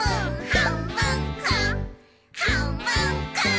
「はんぶんこ！」